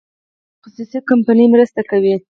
که یوه خصوصي کمپنۍ مرسته کوي.